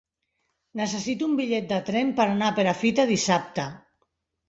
Necessito un bitllet de tren per anar a Perafita dissabte.